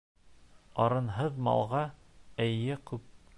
Арынһыҙ малға эйә күп.